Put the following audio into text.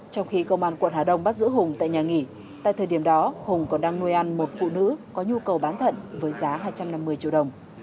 trong khi công an quận hà đông bắt giữ hùng tại nhà nghỉ tại thời điểm đó hùng còn đang nuôi ăn một phụ nữ có nhu cầu bán thận với giá hai trăm năm mươi triệu đồng